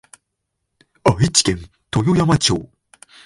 愛知県豊山町